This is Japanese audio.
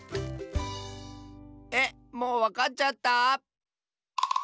えっもうわかっちゃった？